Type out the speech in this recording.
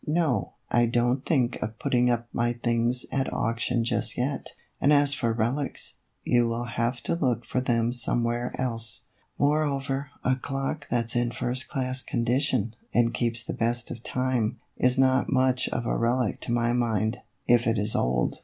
" No, I don't think of putting up my things at auction just yet ; and as for relics, you will have to look for them somewhere else. Moreover, a clock that 's in first class condition, and keeps the best of time, is not much of a relic to my mind, if it is old."